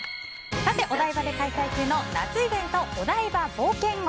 お台場で開催中の夏イベントお台場冒険王。